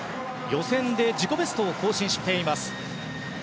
予選で自己ベストを更新しています。